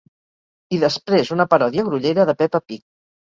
I després una paròdia grollera de Peppa pig.